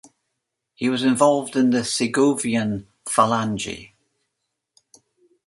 He was involved in the Segovian Falange.